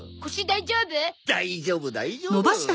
大丈夫大丈夫ほら。